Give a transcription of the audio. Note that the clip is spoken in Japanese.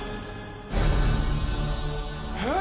えっ！？